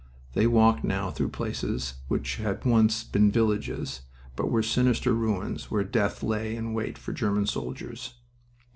They walked now through places which had once been villages, but were sinister ruins where death lay in wait for German soldiers.